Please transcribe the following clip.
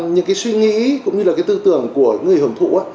những cái suy nghĩ cũng như là cái tư tưởng của người hưởng thụ